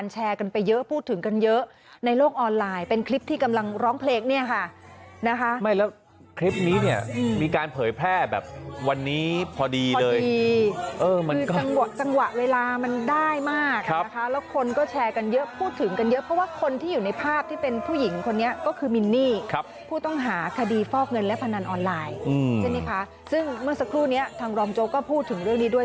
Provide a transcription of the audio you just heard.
สักครู่นี้ทางรอมโจ๊ก็พูดถึงเรื่องนี้ด้วย